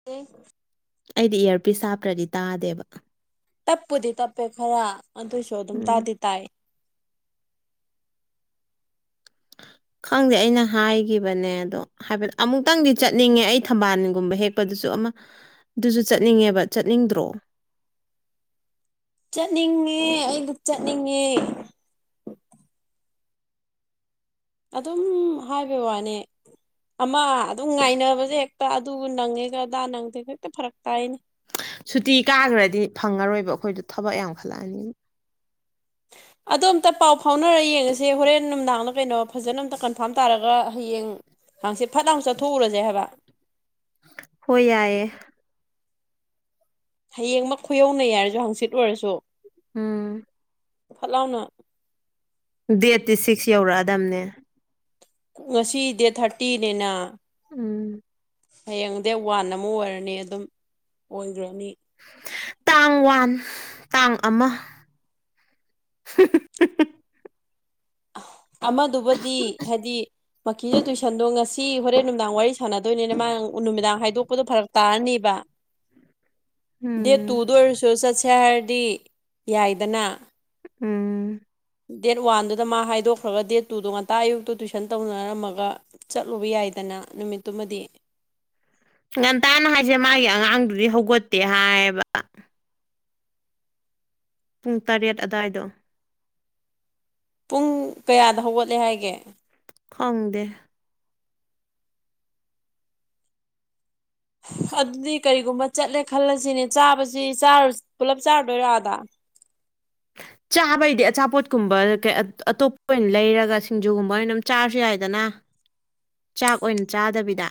[inaudible] ꯑꯩꯗꯤ ꯏꯌꯥꯔꯄꯤꯁ ꯍꯥꯞꯇ꯭ꯔꯗꯤ ꯇꯥꯗꯦꯕ ꯇꯞꯄꯨꯗꯤ ꯇꯞꯄꯦ ꯈꯔ ꯑꯗꯨꯏꯁꯨ ꯑꯗꯨꯝ ꯎꯝ ꯇꯥꯗꯤ ꯇꯥꯏ ꯈꯪꯗꯦ ꯑꯩꯅ ꯍꯥꯏꯈꯤꯕꯅꯦ ꯑꯗꯣ ꯍꯥꯏꯕꯗꯤ ꯑꯃꯨꯛꯇꯪꯗꯤ ꯆꯠꯅꯤꯡꯉꯦ ꯑꯩ ꯊꯝꯕꯥꯜꯒꯨꯝꯕ ꯍꯦꯛꯄꯗꯨꯁꯨ ꯑꯃ ꯑꯗꯨꯁꯨ ꯆꯠꯅꯤꯡꯉꯦꯕ ꯆꯠꯅꯤꯡꯗ꯭ꯔꯣ ꯆꯠꯅꯤꯡꯉꯦ ꯑꯩꯗꯤ ꯆꯠꯅꯤꯡꯉꯦ ꯑꯗꯨꯝ ꯍꯥꯏꯕꯩ ꯋꯥꯅꯦ ꯑꯃ ꯑꯗꯨꯝ ꯉꯥꯏꯅꯕꯁꯦ ꯍꯦꯛꯇ ꯑꯗꯨ ꯅꯪꯉꯦꯒ ꯑꯗꯥ ꯅꯪꯗꯦꯒ ꯍꯦꯛꯇ ꯐꯔꯛ ꯇꯥꯏꯅꯦ ꯁꯨꯇꯤ ꯀꯥꯈ꯭ꯔꯗꯤ ꯐꯪꯉꯔꯣꯏꯕ ꯑꯩꯈꯣꯏꯗꯣ ꯊꯕꯛ ꯌꯥꯝꯈꯠꯂꯛꯑꯅꯤ ꯑꯗꯣ ꯑꯝꯇ ꯄꯥꯎ ꯐꯥꯎꯅꯔ ꯌꯦꯡꯉꯁꯦ ꯍꯣꯔꯦꯟ ꯅꯨꯝꯗꯥꯡꯂ ꯀꯩꯅꯣ ꯐꯖꯅ ꯑꯝꯇ ꯀꯟꯐꯥꯔꯝ ꯇꯥꯔꯒ ꯍꯌꯦꯡ ꯍꯪꯆꯦꯠ ꯐꯠ ꯂꯥꯏꯅ ꯆꯠꯊꯣꯛꯎꯔꯁꯦ ꯍꯥꯏꯕ ꯍꫭꯏ ꯌꯥꯏꯌ‌ꯦ ꯍꯌꯦꯡꯃꯛ ꯈꯣꯏꯌꯧꯅꯩ ꯌꯥꯔꯁꯨ ꯍꯪꯆꯤꯠ ꯑꯣꯏꯔꯁꯨ ꯎꯝ ꯐꯠ ꯂꯥꯎꯅ ꯗꯦꯠꯇꯤ ꯁꯤꯛꯁ ꯌꯧꯔꯛꯑꯗꯕꯅꯦ ꯉꯁꯤ ꯗ‌ꯦꯠ ꯊꯥꯔꯇꯤꯅꯤꯅ ꯎꯝ ꯍꯌꯦꯡꯗꯩ ꯋꯥꯟ ꯑꯃ ꯑꯣꯏꯔꯅꯤ ꯑꯗꯨꯝ ꯑꯣꯏꯈ꯭ꯔꯅꯤ ꯇꯥꯡ ꯋꯥꯟ ꯇꯥꯡ ꯑꯃ ꯑꯃꯗꯨꯕꯨꯗꯤ ꯍꯥꯏꯗꯤ ꯃꯁꯨ [unintelligible] ꯇꯨꯏꯁꯟꯗꯣ ꯉꯁꯤ ꯍꯣꯔꯦꯟ ꯅꯨꯡꯗꯥꯡ ꯋꯥꯔꯤ ꯁꯥꯟꯅꯗꯣꯏꯅꯤꯅ ꯃꯥ ꯅꯨꯃꯤꯗꯥꯡ ꯍꯥꯏꯗꯣꯛꯄꯗꯣ ꯐꯔꯛ ꯇꯥꯔꯅꯤꯕ ꯎꯝ [inaudible] ꯗꯦꯠ ꯇꯨꯗ ꯑꯣꯏꯔꯁꯨ ꯆꯠꯁꯦ ꯍꯥꯏꯔꯗꯤ ꯌꯥꯏꯗꯅ ꯎꯝ ꯗꯦꯠ ꯋꯥꯟꯗꯨꯗ ꯃꯥ ꯍꯥꯏꯗꯣꯛꯈ꯭ꯔꯒ ꯗꯦꯠ ꯇꯨꯗꯣ ꯉꯟꯇ ꯑꯌꯨꯛꯇꯣ ꯇꯨꯏꯁꯟ ꯇꯧꯅꯔꯝꯃꯒ ꯆꯠꯂꯨꯕ ꯌꯥꯏꯗꯅ ꯅꯨꯃꯤꯠꯇꯨꯃꯗꯤ ꯉꯟꯇꯥꯅ ꯍꯥꯏꯁꯦ ꯃꯥꯒꯤ ꯑꯉꯥꯡꯗꯨꯗꯤ ꯍꯧꯒꯠꯇꯦ ꯍꯥꯏꯌꯦꯕ ꯄꯨꯡ ꯇꯔꯦꯠ ꯑꯗꯨꯋꯥꯏꯗꯣ ꯄꯨꯡ ꯀꯌꯥꯗ ꯍꯧꯒꯠꯂꯦ ꯍꯥꯏꯒꯦ ꯈꯪꯗꯦ ꯑꯗꯨꯗꯤ ꯀꯔꯤꯒꯨꯝꯕ ꯆꯠꯂꯦ ꯈꯜꯂꯁꯤꯅꯦ ꯆꯥꯕꯁꯤ ꯄꯨꯂꯞ ꯆꯥꯔꯨꯗꯣꯏꯔꫭ ꯑꯗꯥ ꯆꯥꯕꯩꯗꯤ ꯑꯆꯥꯄꯣꯠꯀꯨꯝꯕ ꯑꯇꯣꯞꯄ ꯑꯣꯏꯅ ꯂꯩꯔꯒ ꯁꯤꯡꯖꯨꯒꯨꯝꯕ ꯑꯣꯏꯅ ꯆꯥꯔꯁꯨ ꯌꯥꯏꯗꯅ ꯆꯥꯛ ꯑꯣꯏꯅ ꯆꯥꯗꯕꯤꯗ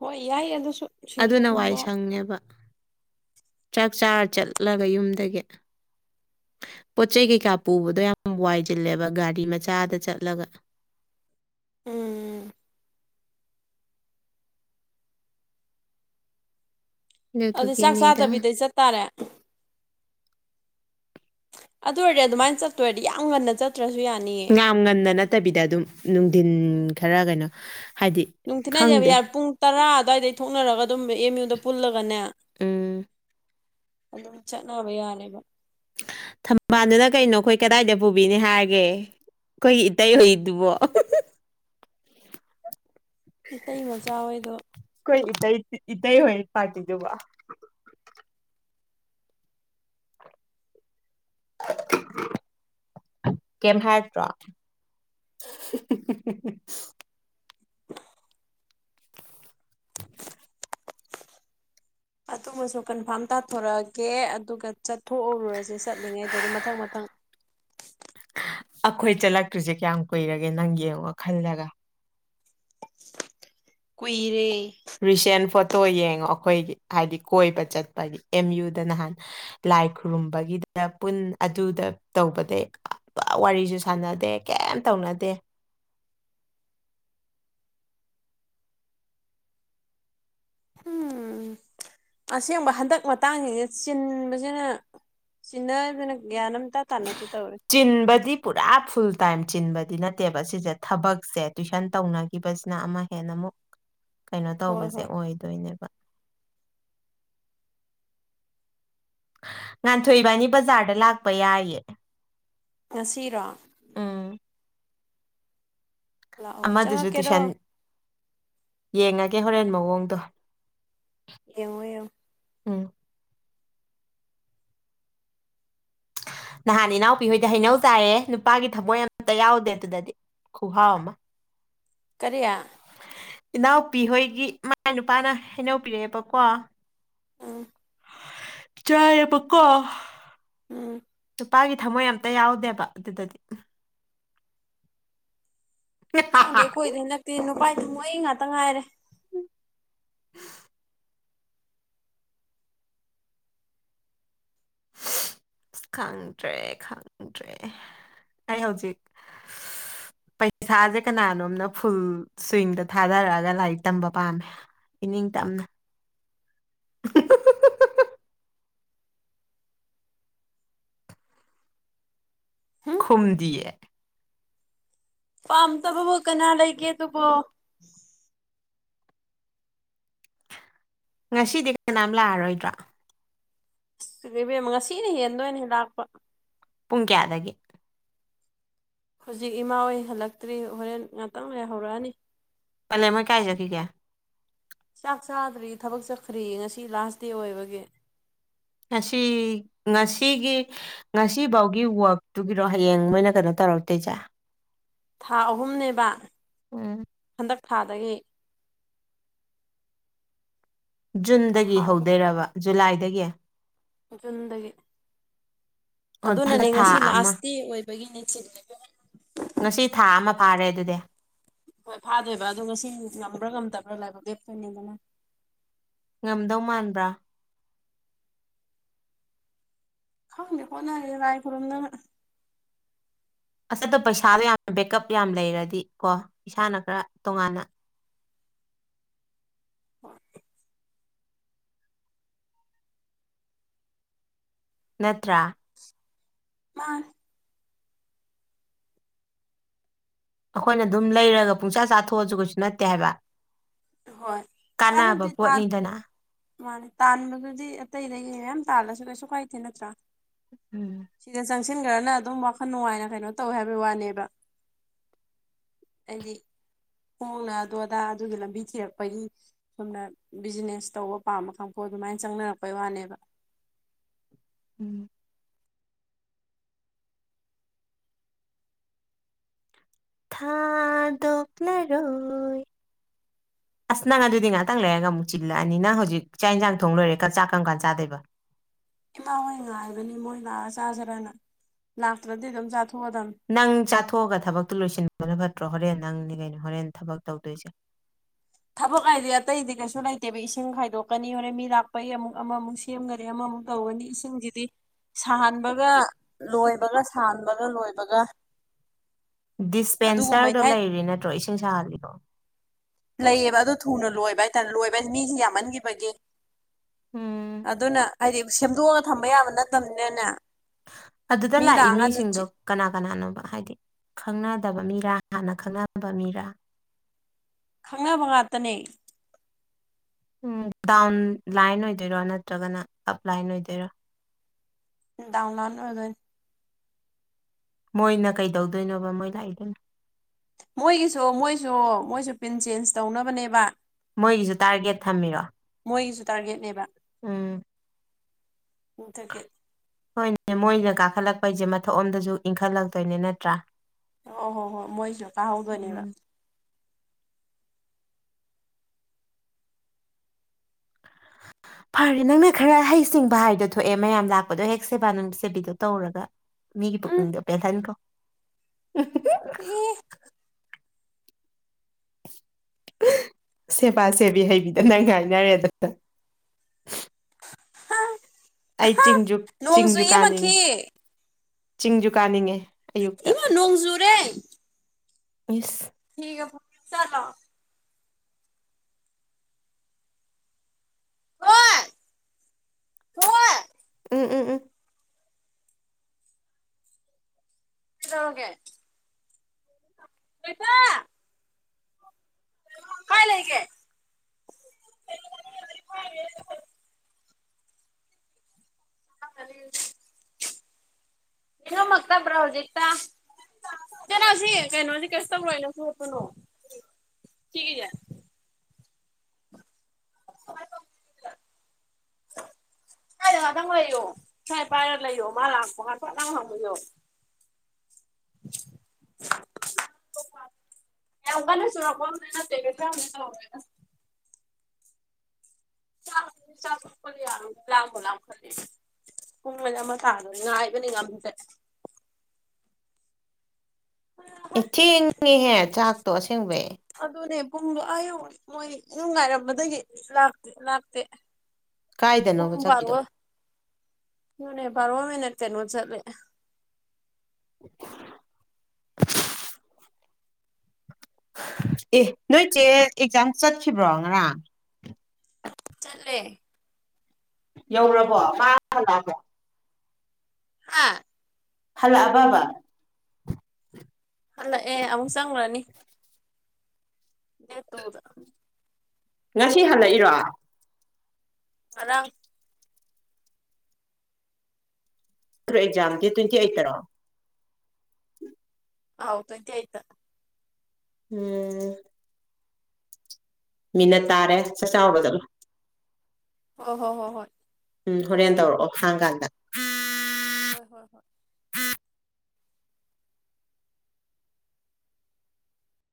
ꯍꯣꯏ ꯌꯥꯏ ꯑꯗꯨꯁꯨ ꯑꯗꯨꯅ ꯋꯥꯏ ꯁꯤꯡꯖꯨꯒꯨꯝꯕ ꯁꯪꯉ‌ꯦꯕ ꯆ꯭ꯔꯥꯛ ꯆꯥꯔ ꯆꯠꯂꯒ ꯌꯨꯝꯗꯒꯤ ꯄꯣꯠ ꯆꯩꯩ ꯀꯩꯀꯥ ꯄꯨꯕꯗꯣ ꯌꯥꯝ ꯋꯥꯏꯁꯤꯜꯂꯦꯕ ꯒꯥꯔꯤ ꯃꯆꯥꯗ ꯆꯠꯂꯒ ꯎꯝ ꯑꯗꯨ ꯆꯥꯛ ꯑꯗꯨꯗꯨꯒꯤꯅꯤꯗ ꯆꯥꯗꯕꯤꯗ ꯆꯠꯇꯥꯔꯦ ꯑꯗꯨ ꯑꯣꯏꯔꯗꯤ ꯑꯗꯨꯃꯥꯏꯅ ꯆꯠꯇꯣꯏꯔꯗꯤ ꯌꯥꯝ ꯉꯟꯅ ꯆꯠ ꯇ꯭ꯔꯥꯁꯨ ꯌꯅꯤ ꯌꯥꯝ ꯉꯟꯟꯅ ꯅꯠꯇꯕꯤꯗ ꯑꯗꯨꯝ ꯅꯨꯡꯊꯤꯟ ꯈꯔ ꯀꯩꯅꯣ ꯍꯥꯏꯗꯤ ꯅꯨꯡꯊꯤꯟ ꯍꯥꯏꯖ‌ꯦ ꯈꯪꯗꯦ ꯌꯥꯝ ꯄꯨꯡ ꯇꯔꯥ ꯑꯗꯨꯋꯥꯏꯗꯩ ꯊꯣꯛꯅꯔꯒ ꯑꯗꯨꯝ ꯑꯦꯝ ꯌꯨꯗ ꯄꯨꯜꯂꯒꯅꯦ ꯎꯝ ꯑꯗꯨꯝ ꯆꯠꯅꯕ ꯌꯥꯅꯦꯕ ꯊꯝꯕꯥꯜꯗꯨꯅ ꯀꯩꯅꯣ ꯑꯩꯈꯣꯏ ꯀꯗꯥꯏꯗ ꯄꯨꯕꯤꯅꯤ ꯍꯥꯏꯔꯒꯦ ꯈꯣꯏ ꯏꯇꯥꯏ ꯑꯣꯏꯗꯨꯕꯣ ꯃꯤꯇꯩꯩ ꯃꯆꯥ ꯍꯣꯏꯗꯣ ꯀꯣꯏ ꯏꯇꯩ ꯏꯇꯩ ꯍꯣꯏ ꯄꯥꯔꯇꯤꯗꯨꯕꯣ [inaudible] ꯀꯦꯝ ꯍꯥꯏꯔꯛꯇ꯭ꯔꯣ [inaudible] ꯑꯗꯨꯕꯨꯁꯨ ꯀꯟꯐꯥꯔꯝ ꯇꯥꯊꯣꯔꯛꯑꯒꯦ ꯑꯗꯨꯒ ꯆꯠꯊꯣꯛꯎꯔꯨꯔꯁꯦ ꯆꯠꯂꯤꯉꯩꯗ ꯑꯗꯨꯝ ꯃꯊꯪ ꯃꯊꯪ ꯑꯩꯈꯣꯏ ꯆꯠꯂꯛꯇ꯭ꯔꯤꯁꯦ ꯀꯌꯥꯝ ꯀꯨꯏꯔꯒꯦ ꯅꯪ ꯌꯦꯡꯉꯣ ꯈꯜꯂꯒ ꯀꯨꯏꯔꯦ ꯔꯤꯁꯦꯟ ꯐꯣꯇꯣ ꯌꯦꯡꯉꯣ ꯑꯩꯈꯣꯏꯒꯤ ꯍꯥꯏꯗꯤ ꯀꯣꯏꯕ ꯆꯠꯄꯒꯤ ꯑꯦꯝ ꯌꯨꯗ ꯅꯍꯥꯟ ꯂꯥꯏ ꯈꯨꯔꯨꯝꯕꯒꯤꯗ ꯄꯨꯟ ꯑꯗꯨꯗ ꯇꯧꯕꯗ ꯄꯨ ꯋꯥꯔꯤꯁꯨ ꯁꯥꯟꯅꯗꯦ ꯀꯩꯝ ꯇꯧꯅꯗꯦ ꯎꯝ [inaudible] ꯑꯁꯦꯡꯕ ꯍꯟꯗꯛ ꯃꯇꯥꯡꯁꯤꯅ ꯆꯤꯟꯕꯁꯤꯅ ꯁꯤꯅ ꯑꯗꯨꯅ ꯒ꯭ꯌꯥꯟ ꯑꯝ ꯏꯇꯥꯟ ꯇꯅꯗꯤ ꯇꯧꯔꯦ ꯆꯤꯟꯕꯗꯤ ꯄꯨꯔꯥ ꯐꯨꯜ ꯇꯥꯏꯝ ꯆꯤꯟꯕꯗꯤ ꯅꯠꯇꯦꯕ ꯁꯤꯁꯦ ꯊꯕꯛꯁꯦ ꯇꯨꯏꯁꯟ ꯇꯧꯅ ꯀꯤꯕꯁꯤꯅ ꯑꯃ ꯍꯦꯟꯅ ꯑꯃꯨꯛ ꯀꯩꯅꯣ ꯍꯣꯏ ꯇꯧꯕꯁꯦ ꯍꯣꯏ ꯑꯣꯏꯗꯣꯏꯅꯦꯕ ꯉꯥꯟꯊꯣꯏꯕꯥꯅꯤ ꯕꯖꯥꯔꯗ ꯂꯥꯛꯄ ꯌꯥꯏꯌꯦ ꯉꯁꯤꯔꯣ ꯎꯝ ꯂꯥꯛꯑꯣ ꯑꯃꯗꯨꯁꯨ ꯆꯪꯉꯛꯀꯦꯔꯣ ꯇꯨꯏꯁꯟ ꯌꯦꯡꯉꯒꯦ ꯍꯣꯔꯦꯟ ꯃꯑꯣꯡꯗꯣ ꯌꯦꯡꯉꯣ ꯌꯦꯡꯉꯣ ꯎꯝ ꯅꯍꯥꯟ ꯏꯅꯥꯎꯄꯤꯍꯣꯏꯗ ꯍꯩꯅꯧ ꯆꯥꯏꯌꯦ ꯅꯨꯄꯥꯒꯤ ꯊꯃꯣꯏ ꯑꯝꯇ ꯌꯥꯎꯗꯦ ꯑꯗꯨꯗꯗꯤ ꯈꯨꯍꯥꯎ ꯑꯃ ꯀꯔꯤꯌꯥ ꯏꯅꯥꯎꯄꯤ ꯍꯣꯏꯒꯤ ꯃꯆꯥ ꯅꯨꯨꯄꯥꯅ ꯍꯩꯅꯧ ꯄꯤꯔꯛꯑꯦꯕꯀꯣ ꯎꯝ ꯆꯥꯌꯦꯕ ꯀꯣ ꯎꯝ ꯅꯨꯄꯥꯒꯤ ꯊꯝꯃꯣꯏ ꯑꯝꯇ ꯌꯥꯎꯗꯦꯕ ꯑꯗꯨꯗꯗꯤ ꯈꯪꯗꯦ ꯑꯩꯈꯣꯏꯗ ꯍꯟꯗꯛꯇꯤ ꯅꯨꯄꯥꯥꯏ ꯊꯃꯣꯏ ꯉꯥꯛꯇ ꯉꯥꯏꯔꯦ [unintelligible] ꯈꯪꯗ꯭ꯔꯦ ꯈꯪꯗ꯭ꯔꯦ ꯑꯩ ꯍꯧꯖꯤꯛ ꯄꯩꯈꯥꯁꯦ ꯀꯅꯥꯅꯣꯝꯅ ꯐꯨꯜ ꯁ꯭ꯋꯤꯡꯗ ꯊꯥꯗꯔꯛꯑꯒ ꯂꯥꯏꯔꯤꯛ ꯇꯝꯕ ꯄꯥꯝꯃꯦ ꯏꯅꯤꯡ ꯇꯝꯅ ꯍꯨꯝ ꯈꯨꯝꯗꯤꯌꯦ ꯄꯥꯝꯇꯕꯕꯨ ꯀꯅꯥ ꯂꯩꯒꯦ ꯑꯗꯨꯕꯣ ꯉꯁꯤꯗꯤ ꯀꯅꯥꯝ ꯂꯥꯛꯑꯔꯣꯏꯗ꯭ꯔꯣ ꯏꯕꯦꯝ ꯉꯁꯤꯅ ꯍꯦꯟꯗꯣꯏꯅꯦ ꯂꯥꯛꯄ ꯄꯨꯡ ꯀꯌꯥꯗꯒꯤ ꯍꯧꯖꯤꯛ ꯏꯃꯥ ꯍꯣꯏ ꯍꯜꯂꯛꯇ꯭ꯔꯤ ꯍꯣꯔꯦꯟ ꯉꯥꯛꯇꯪ ꯂꯩꯔ ꯍꯧꯔꯛꯑꯅꯤ ꯄꯂꯦꯟꯃꯩ ꯀꯥꯏ ꯆꯠꯈꯤꯒꯦ ꯆꯥꯛ ꯆꯥꯗ꯭ꯔꯤ ꯊꯕꯛ ꯆꯠꯈ꯭ꯔꯤ ꯉꯁꯤ ꯂꯥꯁ ꯗꯦ ꯑꯣꯏꯕꯒꯤ ꯉꯁꯤ ꯉꯁꯤꯒꯤ ꯉꯁꯤ ꯐꯥꯎꯒꯤ ꯋꯥꯛꯇꯨꯒꯤꯔꯣ ꯍꯌꯦꯡ ꯃꯣꯏꯅ ꯀꯩꯅꯣ ꯇꯧꯔꯛꯇꯣꯏꯖꯦ ꯊꯥ ꯑꯍꯨꯝꯅꯦꯕ ꯎꯝ ꯍꯟꯗꯛ ꯊꯥꯗꯒꯤ ꯖꯨꯟꯗꯒꯤ ꯊꯥ ꯑꯍꯨꯝ ꯍꯧꯗꯣꯏꯔꯕ ꯖꯨꯂꯥꯏꯗꯒꯤ ꯖꯨꯟꯗꯒꯤ ꯑꯣ ꯑꯗꯨꯅꯅꯦ ꯍꯟꯗꯛ ꯊꯥ ꯉꯁꯤ ꯑꯃ ꯂꯥꯁ ꯗꯦ ꯑꯣꯏꯕꯒꯤꯅꯦ [inaudible] ꯉꯁꯤ ꯊꯥ ꯑꯃ ꯐꯥꯔꯦ ꯑꯗꯨꯗꯤ ꯍꯣꯏ ꯐꯥꯗꯣꯏꯕ ꯑꯗꯣ ꯉꯁꯤ ꯉꯝꯕ꯭ꯔꯥ ꯉꯝꯗꯕ꯭ꯔꯥ ꯂꯥꯏꯕꯛ ꯂꯦꯞꯇꯣꯏꯅꯤꯗꯅ ꯉꯝꯗꯧ ꯃꯥꯟꯕ꯭ꯔꯥ ꯈꯪꯗꯦ ꯍꯣꯠꯅꯔꯦ ꯂꯥꯏ ꯈꯨꯔꯨꯝꯅꯕ ꯑꯁꯗꯣ ꯄꯩꯁꯥꯗꯣ ꯌꯥꯝ ꯕꯦꯛꯀꯞ ꯌꯥꯝ ꯂꯩꯔꯗꯤ ꯀꯣ ꯏꯁꯥꯅ ꯈꯔ ꯇꯣꯉꯥꯟꯅ [inaudible] ꯅꯠꯇ꯭ꯔꯥ ꯃꯥꯟꯅꯦ ꯑꯩꯈꯣꯏꯅ ꯑꯗꯨꯝ ꯂꯩꯔꯒ ꯄꯨꯡꯁꯥ ꯆꯥꯊꯣꯛꯑꯁꯨ ꯀꯩꯁꯨ ꯅꯠꯇꯦ ꯍꯥꯏꯕ ꯍꯣꯏ ꯀꯥꯟꯅꯕ ꯄꯣꯠꯅꯤꯗꯅ ꯃꯥꯟꯅꯦ ꯇꯥꯟꯕꯗꯨꯗꯤ ꯑꯇꯩꯗꯒꯤ ꯃꯌꯥꯝ ꯇꯥꯜꯂꯁꯨ ꯀꯩꯁꯨ ꯀꯥꯏꯗꯦ ꯅꯠꯇ꯭ꯔꯥ ꯎꯝ ꯁꯤꯗ ꯆꯪꯁꯤꯟꯈ꯭ꯔꯅ ꯑꯗꯨꯝ ꯋꯥꯈꯜ ꯅꯨꯡꯉꯥꯏꯅ ꯀꯩꯅꯣ ꯇꯧꯋꯦ ꯍꯥꯏꯕꯩ ꯋꯥꯅꯦꯕ ꯑꯩꯗꯤ ꯍꯣꯡꯅ ꯑꯗꯣ ꯑꯗꯥ ꯑꯗꯨꯒꯤ ꯂꯝꯕꯤ ꯊꯤꯔꯛ ꯑꯩꯈꯣꯏꯒꯤ ꯁꯝꯅ ꯕꯤꯖꯤꯅꯦꯁ ꯇꯧꯕ ꯄꯥꯝꯕ ꯀꯥꯡꯄꯨ ꯑꯗꯨꯃꯥꯏꯅ ꯆꯪꯅꯔꯛꯄꯩ ꯋꯥꯅꯦꯕ ꯎꯝ ꯊꯥꯗꯣꯛꯂꯔꯣꯏ ꯑꯁ ꯅꯪ ꯑꯗꯨꯗꯤ ꯉꯥꯛꯇꯪ ꯂꯩꯔꯒ ꯑꯃꯨꯛ ꯆꯤꯜꯂꯛꯑꯅꯤ ꯅꯪ ꯍꯧꯖꯤꯛ ꯆꯥꯛ ꯏꯟꯖꯥꯡ ꯊꯣꯡ ꯂꯣꯏꯔꯀ ꯆꯥꯛ ꯀꯔꯝ ꯀꯥꯟ ꯆꯥꯗꯣꯏꯕ ꯏꯃꯥ ꯍꯣꯏ ꯉꯥꯏꯕꯅꯤ ꯃꯣꯏ ꯂꯥꯛꯑꯒ ꯆꯥꯖꯦꯔꯅ ꯂꯥꯛꯇ꯭ꯔꯗꯤ ꯑꯗꯨꯝ ꯆꯥꯊꯣꯛꯑꯗꯝꯅꯤ ꯅꯪ ꯆꯥꯊꯣꯛꯑꯒ ꯊꯕꯛꯇꯨ ꯂꯣꯏꯁꯤꯟꯕꯅ ꯐꯠꯇ꯭ꯔꯣ ꯍꯣꯔꯦꯟ ꯅꯪꯅꯦ ꯀꯩꯅꯣ ꯍꯣꯔꯦꯟ ꯊꯕꯛ ꯇꯧꯗꯣꯏꯁꯦ ꯊꯕꯛ ꯍꯥꯏꯗꯤ ꯑꯇꯩꯗꯤ ꯀꯩꯁꯨ ꯂꯩꯇꯦꯕ ꯏꯁꯤꯡ ꯈꯥꯏꯗꯣꯛꯀꯅꯤ ꯍꯣꯔꯦꯟ ꯃꯤ ꯂꯥꯛꯄꯒꯤ ꯑꯃꯨꯛ ꯑꯃꯃꯨꯛ ꯁꯤ ꯁꯦꯝꯒꯅꯤ ꯑꯃꯃꯨꯛ ꯇꯧꯒꯅꯤ ꯏꯁꯤꯡꯁꯤꯗꯤ ꯁꯥꯍꯟꯕꯒ ꯂꯣꯏꯕꯒ ꯁꯥꯍꯟꯕꯒ ꯂꯣꯏꯕꯒ ꯗꯤꯁꯄꯦꯟꯁꯔꯗꯣ ꯑꯗꯨꯒꯨꯝꯕꯩꯅꯤ ꯍꯥꯏ ꯂꯩꯔꯤ ꯅꯠꯇ꯭ꯔꯣ ꯏꯁꯤꯡ ꯁꯥꯍꯜꯂꯤꯗꯣ ꯂꯩꯌꯦꯕ ꯑꯗꯣ ꯊꯨꯅ ꯂꯣꯏꯕ ꯍꯥꯏꯇꯥꯔꯦ ꯂꯣꯏꯕ ꯍꯥꯏꯁꯦ ꯃꯤꯁꯦ ꯌꯥꯝꯃꯟꯈꯤꯕꯒꯤ ꯎꯝ ꯑꯗꯨꯅ ꯍꯥꯏꯗꯤ ꯁꯦꯝꯗꯣꯛꯑꯒ ꯊꯝꯕ ꯌꯥꯕ ꯅꯠꯇꯕꯅꯤꯅꯅꯦ ꯑꯗꯨꯗ ꯃꯤ ꯂꯥꯛꯏ ꯂꯥꯛꯑꯀꯥꯟꯗ ꯃꯤꯁꯤꯡꯗꯣ ꯀꯅꯥ ꯀꯅꯥꯅꯣꯕ ꯍꯥꯏꯗꯤ ꯈꯪꯅꯗꯕ ꯃꯤꯔꯥ ꯍꯥꯟꯅ ꯈꯪꯅꯕ ꯃꯤꯔꯥ ꯈꯪꯅꯕ ꯉꯥꯛꯇꯅꯦ ꯎꯝ ꯗꯥꯎꯟ ꯂꯥꯏꯟ ꯑꯣꯏꯗꯣꯏꯔꯣ ꯅꯠꯇ꯭ꯔꯒꯅ ꯑꯞ ꯂꯥꯏꯟ ꯑꯣꯏꯗꯣꯏꯔꯣ ꯎꯝ ꯗꯥꯎꯟ ꯂꯥꯏꯟ [inaudible] ꯃꯣꯏꯅ ꯀꯩꯗꯧꯗꯣꯏꯅꯣꯕ ꯃꯣꯏ ꯂꯥꯛꯏꯗꯨꯅ ꯃꯣꯏꯒꯤꯁꯨ ꯃꯣꯏꯁꯨ ꯃꯣꯏꯁꯨ ꯄꯤꯟ ꯆꯦꯟꯖ ꯇꯧꯅꯕꯅꯦꯕ ꯃꯣꯏꯒꯤꯁꯨ ꯇꯥꯔꯒꯦꯠ ꯊꯝꯃꯤꯔꯣ ꯃꯣꯏꯒꯤꯁꯨ ꯇꯥꯔꯒꯦꯠꯅꯦꯕ ꯎꯝ ꯑꯗꯨꯒꯤ ꯍꯣꯏꯅꯦ ꯃꯣꯏꯅ ꯀꯥꯈꯠꯂꯛꯄꯩꯁꯦ ꯃꯊꯛ ꯑꯣꯝꯗꯁꯨ ꯏꯟꯈꯠꯂꯛꯇꯣꯏꯅꯦ ꯅꯠꯇ꯭ꯔꯥ ꯑꯣ ꯍꯣ ꯍꯣ ꯃꯣꯏꯁꯨ ꯀꯥꯍꯧꯗꯣꯏꯅꯦꯕ ꯎꯝ ꯐꯔꯦ ꯅꯪꯅ ꯈꯔ ꯍꯩꯁꯤꯡꯕ ꯍꯥꯏꯗꯣ ꯊꯣꯛꯑꯦ ꯃꯌꯥꯝ ꯂꯥꯛꯄꯗꯣ ꯍꯦꯛ ꯁꯦꯕꯥ ꯅꯨꯡ ꯁꯦꯕꯤꯗꯣ ꯇꯧꯔꯒ ꯃꯤꯒꯤ ꯎꯝ ꯄꯨꯛꯅꯤꯡꯗꯣ ꯄꯦꯜꯍꯟꯈꯣ ꯏ ꯁꯦꯕꯥ ꯁꯦꯕꯤ ꯍꯩꯕꯤꯗ ꯅꯪ ꯉꯥꯏꯅꯔꯦꯗꯅ ꯑꯩ ꯆꯤꯡꯖꯨ ꯅꯣꯡ ꯆꯤꯡꯖꯨ ꯆꯨꯏꯌꯦ ꯀꯥꯅꯤꯡ ꯃꯈꯤ ꯆꯤꯡꯖꯨ ꯀꯥꯅꯤꯡꯉꯦ ꯑꯌꯨꯛꯇ ꯏꯃ ꯅꯣꯡꯖꯨꯔꯦ ꯑꯁ ꯐꯤꯒ ꯐ ꯆꯠꯂꯣ ꯊꯣꯏ ꯊꯣꯏ ꯎꯝ ꯎꯝ ꯎꯝ ꯆꯥꯒꯦ ꯊꯣꯢꯕ ꯀꯥꯏ ꯂꯩꯒꯦ [inaudible] ꯅꯤꯉꯝꯃꯛꯇꯕ꯭ꯔꯣꯖꯤꯛꯇ ꯀꯅꯥꯁꯨ ꯌꯦꯡꯀꯅꯨ ꯑꯁꯤ ꯀꯩꯁꯨ ꯇꯧꯔꯣꯢ ꯆꯣꯠꯄꯅꯣ ꯁꯤꯒꯤꯖꯦ [inaudible] ꯁꯥꯏꯗ ꯉꯥꯛꯇꯪ ꯂꯩꯌꯣ ꯁꯥꯏ ꯄꯥꯏꯔ ꯂꯩꯌꯣ ꯃꯥ ꯂꯥꯛꯄ ꯉ ꯄꯣꯠ ꯇꯪ ꯍꯪꯕꯤꯌꯣ [inaudible] ꯌꯥꯝ ꯀꯥꯟ ꯆꯨꯔꯛꯄꯎꯗꯤ ꯅꯠꯇꯦ ꯕꯦꯛꯆꯥꯎꯅꯦ ꯀꯣ ꯆꯥꯛ ꯆ ꯈꯄꯗꯤ ꯌꯥꯔꯕ ꯂꯥꯝꯕꯨ ꯂꯥꯝꯈꯜꯂꯦ ꯄꯨꯡ ꯃꯅꯤ ꯑꯃ ꯇꯗꯣꯔꯦ ꯉꯥꯏꯕꯗꯤ ꯉꯝꯗꯦ ꯑꯦ ꯊꯆꯦꯡꯉꯍꯦ ꯆꯥꯛꯇꯣ ꯑꯁꯦꯡꯕꯩ ꯑꯗꯨꯅꯦ ꯄꯨꯡꯗꯣ ꯑꯥ ꯌꯧꯛ ꯃꯣꯏ ꯅꯨꯡꯉꯥꯏꯔꯝꯃꯗꯨꯢꯒꯤ ꯂꯥꯛꯇꯦ ꯂꯥꯛꯇꯦ ꯄꯨꯡ ꯀꯥꯏꯗꯅꯣꯕ ꯆꯠꯈꯤꯗꯣ ꯕꯥꯔꯣ ꯃꯅꯦ ꯕꯥꯔꯣ ꯍꯦꯟꯅ ꯀꯩꯅꯣ ꯆꯠꯂꯦ [unintelligible] ꯑꯦ ꯅꯣꯏꯆꯦ ꯑꯦꯛꯖꯥꯝ ꯆꯠꯈꯤꯕ꯭ꯔꯣ ꯉꯔꯥꯡ ꯆꯠꯂꯦ ꯌꯧꯔꯕꯣ ꯃꯥ ꯍꯜꯂꯥꯛꯑꯕ ꯍꯥꯥ ꯍꯜꯂꯛꯑꯕꯕ ꯍꯜꯂꯛꯑꯦ ꯑꯃꯨꯛ ꯆꯪꯉꯨꯔꯅꯤ ꯗꯦꯠ ꯇꯨꯗ ꯉꯁꯤ ꯍꯜꯂꯛꯏꯔꯣ ꯉꯔꯥꯡ ꯇ ꯑꯦꯛꯖꯥꯝꯜꯒꯤ ꯇ꯭ꯋꯦꯟꯇꯤ ꯑꯦꯠꯇꯔꯣ ꯑꯥꯎ ꯇ꯭ꯋꯦꯟꯇꯤ ꯑꯦꯠꯇ ꯎꯝ ꯃꯤꯅꯠ ꯇꯥꯔꯦ ꯆꯥꯠ ꯆꯥꯎꯔꯣ ꯆꯠꯂꯣ ꯑꯍ ꯍꯣ ꯍꯣ ꯍꯣꯏ ꯎꯝ ꯍꯣꯔꯦꯟ ꯇꯧꯔꯛꯑꯣ ꯍꯥꯡ ꯀꯥꯟꯗ ꯍꯣꯏ ꯍꯣꯏ ꯍꯣꯏ